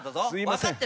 分かってるか？